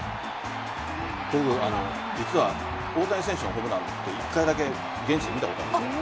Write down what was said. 実は大谷選手のホームランを１回だけ現地で見たことあるんです。